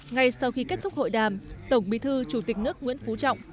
ngay sau khi kết thúc hội đàm tổng bí thư chủ tịch nước nguyễn phú trọng